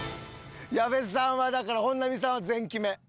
矢部さんはだから本並さんは全決め。